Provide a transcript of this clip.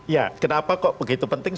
ya kenapa kok begitu penting